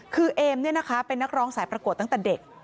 คือเอมเป็นนักร้องสายประกวดตั้งแต่เด็ก